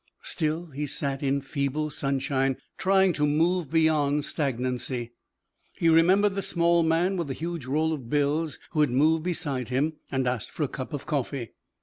Still he sat in feeble sunshine trying to move beyond stagnancy. He remembered the small man with the huge roll of bills who had moved beside him and asked for a cup of coffee.